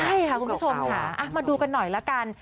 ใช่ค่ะคุณผู้ชมค่ะมาดูกันหน่อยละกัน